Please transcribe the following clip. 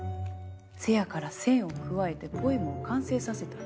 せやから線を加えてポエムを完成させた。